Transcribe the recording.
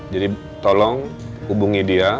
jadi tolong hubungi dia